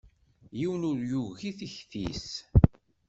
Yiwen ur yugi tikti-s.